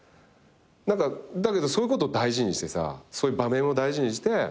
だけどそういうこと大事にしてさそういう場面を大事にして。